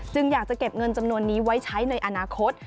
อยากจะเก็บเงินจำนวนนี้ไว้ใช้ในอนาคต